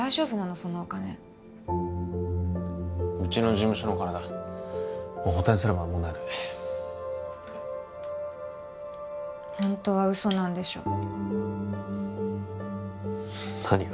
そのお金うちの事務所の金だ補填すれば問題ないホントは嘘なんでしょ何が？